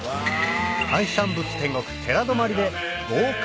海産物天国寺泊で豪快！